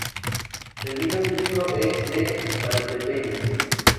El vino típico es de Valdepeñas.